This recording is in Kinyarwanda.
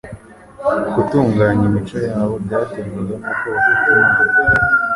Gutunganya imico yabo byaterwaga n' uko bafata Imana.